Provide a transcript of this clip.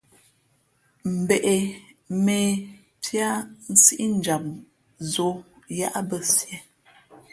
Mbᾱ ě, mᾱ ě pí pα nsíʼnjam ǒ yáʼbᾱ siē.